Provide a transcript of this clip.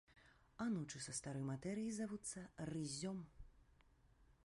Анучы са старой матэрыі завуцца рыззём.